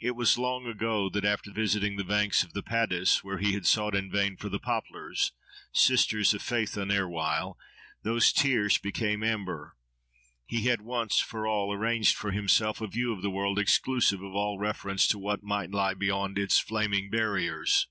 It was long ago that after visiting the banks of the Padus, where he had sought in vain for the poplars (sisters of Phaethon erewhile) whose tears became amber, he had once for all arranged for himself a view of the world exclusive of all reference to what might lie beyond its "flaming barriers."